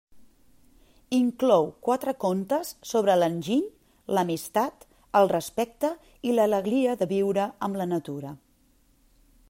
Inclou quatre contes sobre l’enginy, l’amistat, el respecte i l’alegria de viure amb la natura.